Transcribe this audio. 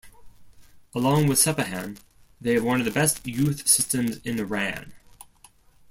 Along with Sepahan, they have one of the best youth systems in Iran.